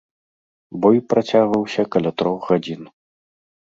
Бой працягваўся каля трох гадзін.